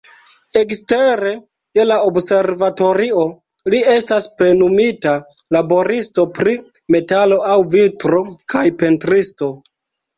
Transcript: Ekstere de la observatorio, li estas plenumita laboristo pri metalo aŭ vitro kaj pentristo.